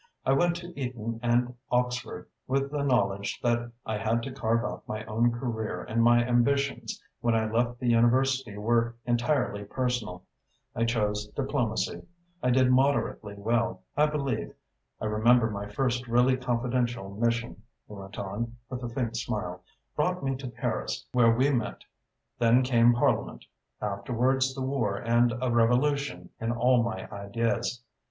"I went to Eaton and Oxford with the knowledge that I had to carve out my own career and my ambitions when I left the University were entirely personal. I chose diplomacy. I did moderately well, I believe. I remember my first really confidential mission," he went on, with a faint smile, "brought me to Paris, where we met. Then came Parliament afterwards the war and a revolution in all my ideas.